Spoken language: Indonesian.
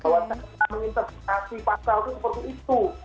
untuk menginterpretasi pasal itu seperti itu